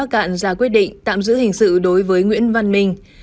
cạn ra quyết định tạm giữ hình sự đối với nguyễn văn minh